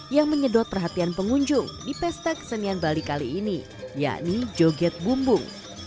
yang menyedot perhatian pengunjung di pesta kesenian bali kali ini yakni joget bumbung